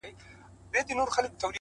هره ورځ د فرصتونو خزانه ده!.